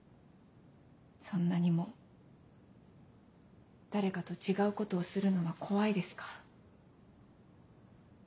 そんなにも誰かと違うことをするのは怖いですか？